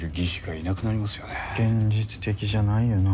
現実的じゃないよな。